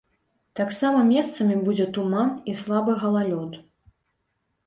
Таксама месцамі будзе туман і слабы галалёд.